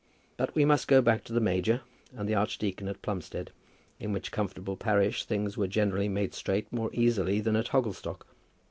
But we must go back to the major and to the archdeacon at Plumstead, in which comfortable parish things were generally made straight more easily than at Hogglestock.